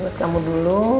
ini buat kamu dulu